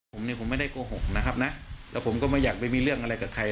ผมเนี่ยผมไม่ได้โกหกนะครับนะแล้วผมก็ไม่อยากไปมีเรื่องอะไรกับใคร